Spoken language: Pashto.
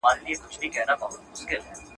چا او چا بايللى لاس او سترگه دواړه.